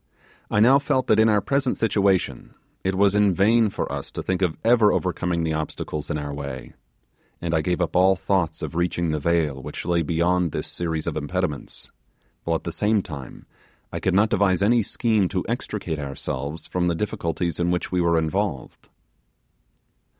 I now felt that in our present situation it was in vain for us to think of ever overcoming the obstacles in our way, and I gave up all thoughts of reaching the vale which lay beyond this series of impediments; while at the same time I could not devise any scheme to extricate ourselves from the difficulties in which we were involved.